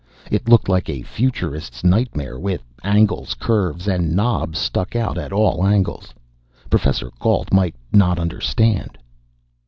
It looked like a futurist's nightmare, with angles, curves and knobs stuck out at all angles. Professor Gault might not understand....